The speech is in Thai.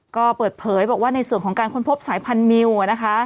ก็เปิดเผยบอกว่าในส่วนของการค้นพบสายพันธมิวนะคะ